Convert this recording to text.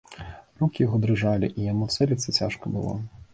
Рукі яго дрыжалі, і яму цэліцца цяжка было.